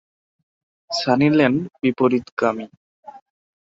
Sunny Lane বিপরীতকামী।